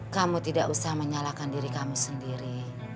kamu tidak usah menyalakan diri kamu sendiri